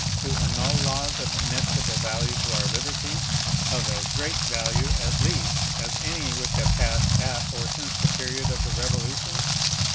to annul laws of inestimable value to our liberties, of as great value at least as any which have passed at or since the period of the Revolution?